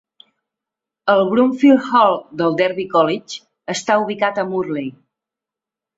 El Broomfield Hall del Derby College està ubicat a Morley.